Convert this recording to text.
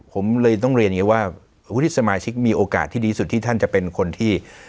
ผมเลยต้องเรียนอย่างนี้ว่าวุฒิสมาชิกมีโอกาสที่ดีสุดที่ท่านจะเป็นคนที่